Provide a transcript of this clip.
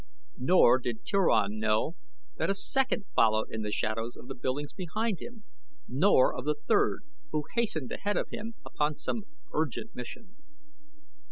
Nor did Turan know that a second followed in the shadows of the buildings behind him, nor of the third who hastened ahead of him upon some urgent mission.